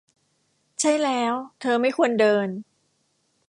ใช่แล้วเธอไม่ควรเดิน